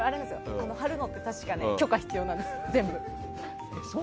貼るのって確か許可必要なんです、全部。